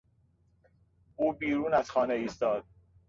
او بیرون از خانه ایستاد.